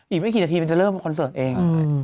อีกไม่กี่สักทีเราก็จะเริ่มคอนเซิร์ทเอง